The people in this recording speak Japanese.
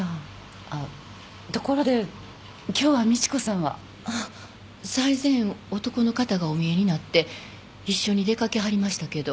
あっところで今日は美知子さんは？あっ最前男の方がおみえになって一緒に出掛けはりましたけど。